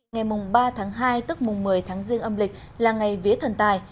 ngày ba tháng hai tức mùng một mươi tháng riêng âm lịch là ngày vía thần tài